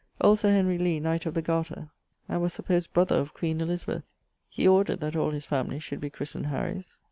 Old Sir Henry Lee, knight of the Garter, and was supposed brother of queen Elizabeth. He ordered that all his family should be christned Harry's.